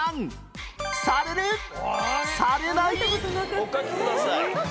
お書きください。